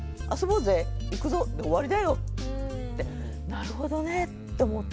なるほどねって思ってね。